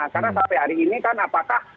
karena sampai hari ini kan apakah